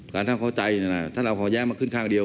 การท่านเข้าใจท่านเอาของแย้งมาขึ้นข้างเดียว